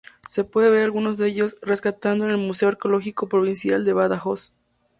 Se pueden ver algunos de ellos rescatados en el Museo Arqueológico Provincial de Badajoz.